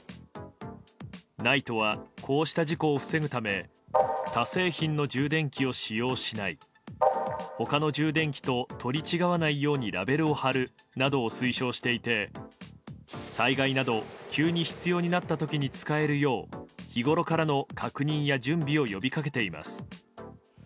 ＮＩＴＥはこうした事故を防ぐため他製品の充電器を使用しない他の充電器と取り違わないようにラベルを貼るなどを推奨していて災害など急に必要になった時に使えるよう日ごろからの確認や準備を呼びかけています。